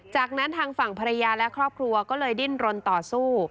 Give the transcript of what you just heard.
จากนั้นทางฝั่งภรรยาและครอบครัวก็เลยดิ้นรนต่อสู้